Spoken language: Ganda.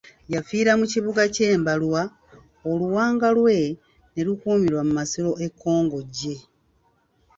Yafiira mu Kibuga kye Mbalwa, oluwanga lwe ne lukuumirwa mu masiro e Kongojje.